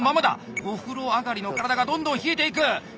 お風呂上がりの体がどんどん冷えていく！